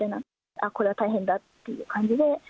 あ、これは大変だっていう感じで。